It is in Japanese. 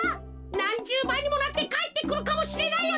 なんじゅうばいにもなってかえってくるかもしれないよな。